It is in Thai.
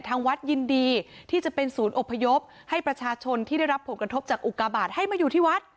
ทางวัดยินดีที่จะเป็นศูนย์อบพยพให้ประชาชนที่ได้รับผลกระทบจากอุกาบาทให้มาอยู่ที่วัด